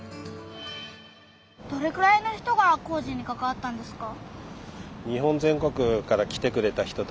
どれくらいの人が工事にかかわったんですか？